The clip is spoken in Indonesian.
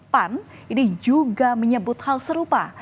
pan ini juga menyebut hal serupa